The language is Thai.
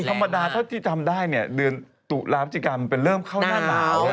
ธรรมดาเท่าที่จำได้เนี่ยเดือนตุลาพฤศจิกามันเป็นเริ่มเข้าหน้าลาวแล้ว